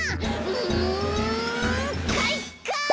うんかいか！